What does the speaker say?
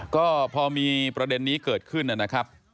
ก็พอมีประเด็นนี้เกิดขึ้นนะครับ